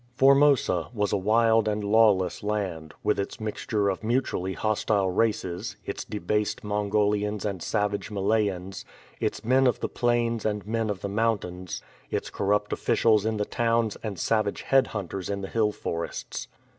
Formosa v/as a wild and lawless land, with its mixture of mutually hostile races, its debased Mongolians and savage Malayans, its men of the plains and men of the mountains, its corrupt officials in the towns and savage head hunters in the hill forests.